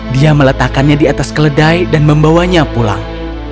dia meletakkannya di atas keledai dan membawanya pulang